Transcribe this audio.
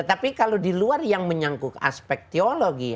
tapi kalau di luar yang menyangkut aspek teologi